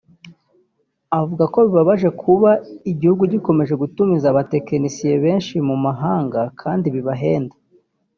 avuga ko bibabaje kuba igihugu gikomeje gutumiza abatekinisiye benshi mu mahanga kandi bahenda